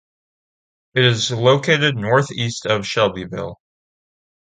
It is located northeast of Shelbyville.